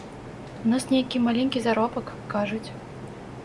У нас нейкі маленькі заробак, кажуць.